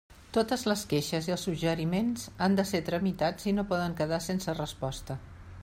Totes les queixes i els suggeriments han de ser tramitats i no poden quedar sense resposta.